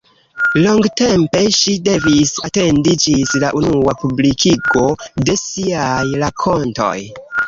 Longtempe ŝi devis atendi ĝis la unua publikigo de siaj rakontoj.